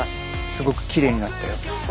すごくきれいになったよ。